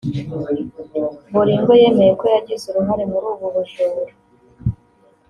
Bolingo yemeye ko yagize uruhare muri ubu bujura